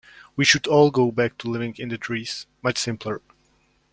We should all go back to living in the trees, much simpler.